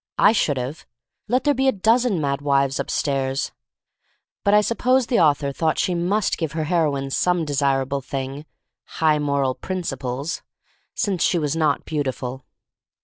I should have, let there be a dozen mad wives upstairs. But I suppose the author thought she must give her heroine some desirable thing — high moral principles, since she was not beautiful.